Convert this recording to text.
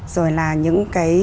rồi là những cái